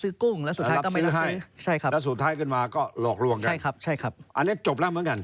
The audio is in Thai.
อันเนี้ยจบแล้วเหมือนกัน